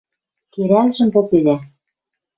Керӓлжӹм попедӓ...